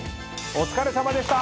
お疲れさまでした！